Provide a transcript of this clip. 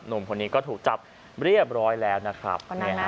หนุ่มคนนี้ก็ถูกจับเรียบร้อยแล้วนะครับ